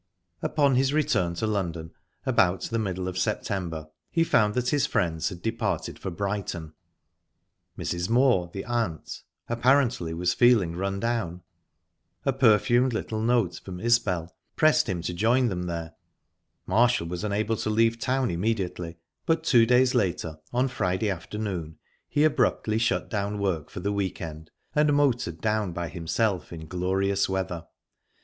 Upon his return to London about the middle of September he found that his friends had departed for Brighton; Mrs. Moor the aunt apparently was feeling rundown. A perfumed little note from Isbel pressed him to join them there. Marshall was unable to leave town immediately, but two days later, on Friday afternoon, he abruptly shut down work for the week end, and motored down by himself in glorious weather.